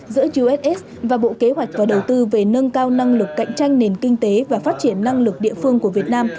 giữa uss và bộ kế hoạch và đầu tư về nâng cao năng lực cạnh tranh nền kinh tế và phát triển năng lực địa phương của việt nam